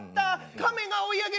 カメが追い上げる！